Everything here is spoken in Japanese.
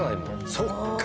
そっか。